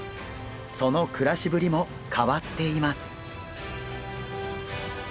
その暮らしぶりも変わっています。